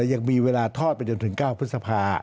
ยังมีเวลาทอดไปจนถึง๙พฤษภา